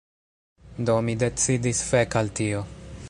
Do, mi decidis fek' al tio